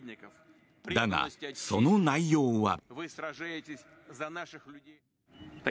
だが、その内容は。